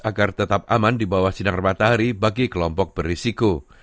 agar tetap aman di bawah sinar matahari bagi kelompok berisiko